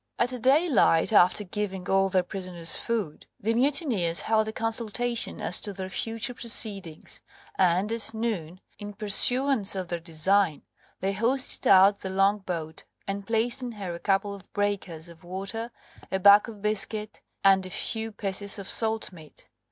At daylight, after giving all their prisoners food, the mutineers held a consultation as to their future proceedings, and at noon, in pursuance of their design, they hoisted out the longboat, and placed in her a couple of breakers of water, a bag of biscuit, and a few pieces of salt meat.